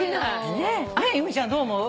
由美ちゃんどう思う？